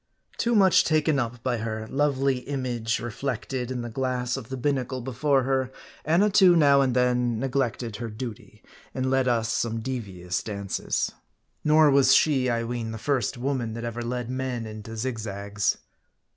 Too much taken up by her lovely image partially reflected in the glass of the binnacle before her, Annatoo now and then neglected her duty, and led us some devious dances. Nor was she, I ween, the first woman that ever led men into zigzags.